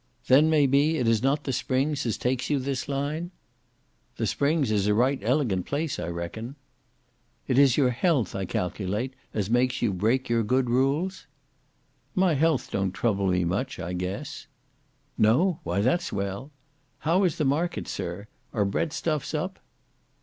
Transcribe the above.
"Then, may be, it is not the Springs as takes you this line?" "The Springs is a right elegant place, I reckon." "It is your health, I calculate, as makes you break your good rules?" "My health don't trouble me much, I guess." "No? Why that's well. How is the markets, sir? Are bread stuffs up?"